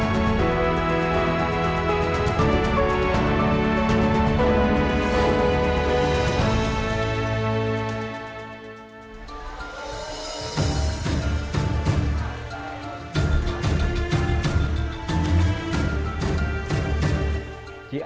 padat hingga kumuh